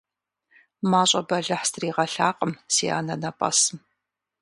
Мащӏэ бэлыхь стригъэлъакъым си анэнэпӏэсым.